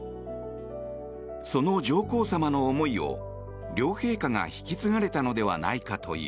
その上皇さまの思いを両陛下が引き継がれたのではないかという。